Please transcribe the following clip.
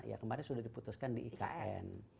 ya kemarin sudah diputuskan di ikn